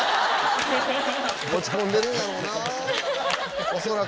持ち込んでるんやろうな恐らく。